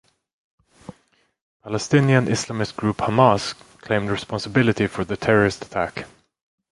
Palestinian Islamist group Hamas claimed responsibility for the terrorist attack.